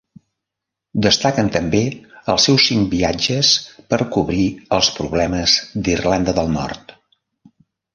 Destaquen també els seus cinc viatges per cobrir els problemes d'Irlanda del Nord.